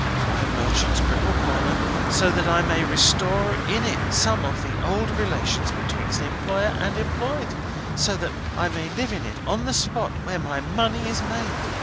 Wine Merchants, Cripple Corner, so that I may restore in it some of the old relations betwixt employer and employed! So that I may live in it on the spot where my money is made!